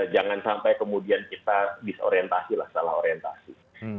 jangan sampai kemudian kita disorientasi lah salah orientasi